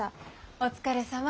お疲れさま。